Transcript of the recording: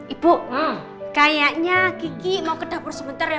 ibu kayaknya gigi mau ke dapur sebentar ya